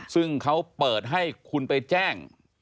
ซึ่งเขาเปิดให้คุณไปแจ้ง